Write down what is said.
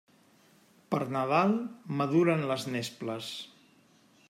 Per Nadal maduren les nesples.